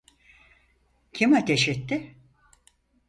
Kim ateş etti?